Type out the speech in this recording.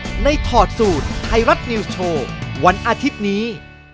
ก็ได้ถอดศูนย์ใครรับนิวโชว์วันอาทิตย์นี้